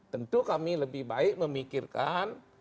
tentu kami lebih baik memikirkan